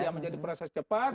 ya menjadi proses cepat